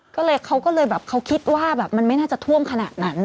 ก็เลยเขาก็เลยแบบเขาคิดว่าแบบมันไม่น่าจะท่วมขนาดนั้น